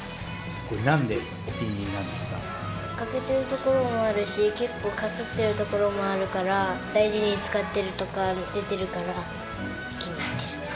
これ、欠けてるところもあるし、結構かすってるところもあるから、大事に使ってるところが出てるから、気に入ってる。